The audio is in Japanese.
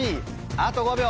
あと５秒。